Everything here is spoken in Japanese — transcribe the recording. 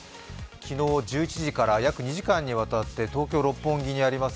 昨日１１時から約２時間にわたって東京・六本木にあります